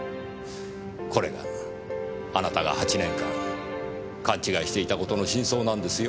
これがあなたが８年間勘違いしていた事の真相なんですよ。